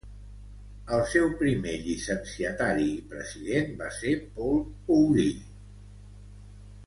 El seu primer llicenciatari i president va ser W. Paul Oury.